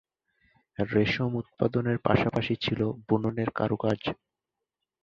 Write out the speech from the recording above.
রেশম উৎপাদনের পাশাপাশি ছিল বুননের কারুকাজ।